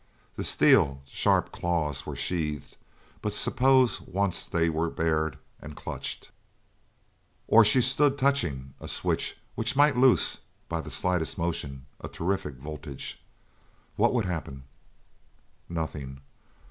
The steel sharp claws were sheathed, but suppose once they were bared, and clutched. Or she stood touching a switch which might loose, by the slightest motion, a terrific voltage. What would happen? Nothing!